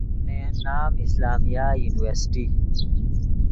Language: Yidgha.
نے ین نام اسلامیہ یورنیورسٹی